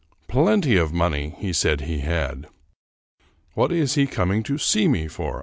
" Plenty of money," he said he had. What is he coming to see me for